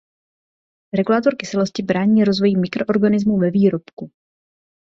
Regulátor kyselosti brání rozvoji mikroorganismů ve výrobku.